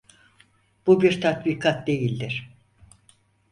Bu bir tatbikat değildir.